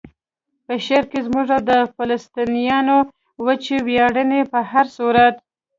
په شعر کې زموږ او د فلسطینیانو وچې ویاړنې په هر صورت.